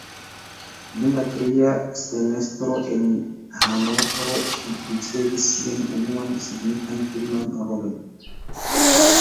Dum la tria semestro en Hanovro ŝi ricevis sian unuan signifan filman rolon.